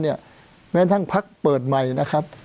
แม้ทั้งพักเปิดใหม่นะครับ